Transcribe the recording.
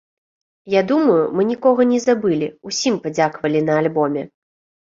Я думаю, мы нікога не забылі, усім падзякавалі на альбоме.